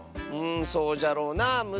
うんそうじゃろうなあ。